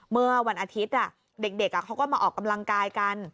เมื่อวันอาทิตย์เด็กเขาก็มาออกกำลังกายกัน